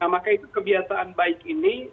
nah maka itu kebiasaan baik ini